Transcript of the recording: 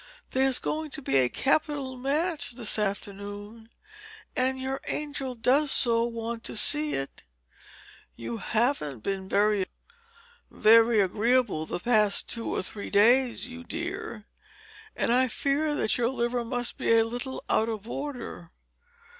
There's going to be a capital match this afternoon, and your angel does so want to see it. You haven't been very very agreeable the past two or three days, you dear, and I fear that your liver must be a little out of order.